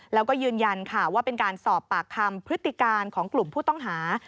แล้วก็ยืนยันค่ะว่าเป็นการสอบปากคำพฤติการของกลุ่มผู้ต้องหา